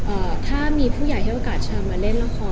ถ้ามีผู้ใหญ่ให้โอกาสชามมาเล่นละคร